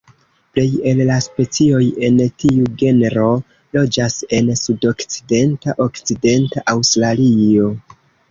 Plej el la specioj en tiu genro loĝas en sudokcidenta Okcidenta Aŭstralio.